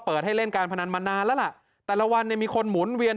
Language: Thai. ให้เล่นการพนันมานานแล้วล่ะแต่ละวันเนี่ยมีคนหมุนเวียน